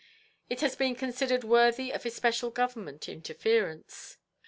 It has been considered worthy of especial government interference.